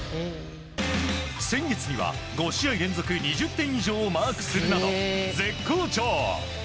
先月には５試合連続２０点以上をマークするなど絶好調。